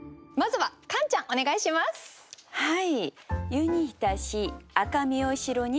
はい。